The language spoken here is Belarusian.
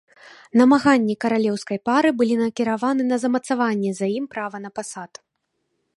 Намаганні каралеўскай пары былі накіраваны на замацаванне за ім права на пасад.